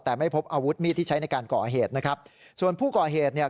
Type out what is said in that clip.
แต่ไม่พบอาวุธมีดที่ใช้ในการก่อเหตุนะครับส่วนผู้ก่อเหตุเนี่ย